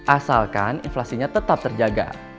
asalkan inflasinya tetap terjaga